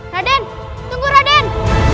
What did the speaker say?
raden tunggu raden